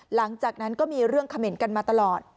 หลังจากนั้นก็มีเรื่องเขม่นกันมาตลอด